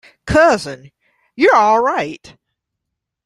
Cousin, you're all right!